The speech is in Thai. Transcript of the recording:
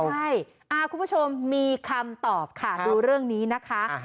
ใช่คุณผู้ชมมีคำตอบค่ะดูเรื่องนี้นะคะ